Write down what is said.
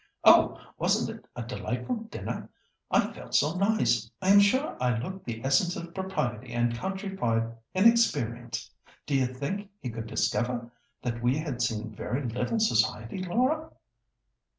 Oh! wasn't it a delightful dinner? I felt so nice. I am sure I looked the essence of propriety and countrified inexperience. Do you think he could discover that we had seen very little society, Laura?"